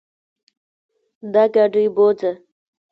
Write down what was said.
دا ګاډې بوځه.